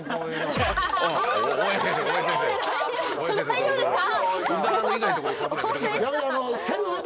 大丈夫ですか？